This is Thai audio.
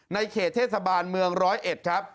ในเขตเทศบาลเมือง๑๐๑ครับ